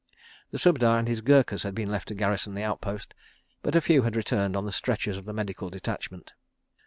The Subedar and his Gurkhas had been left to garrison the outpost, but a few had returned on the stretchers of the medical detachment.